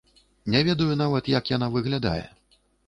Не ведаю нават, як яна выглядае.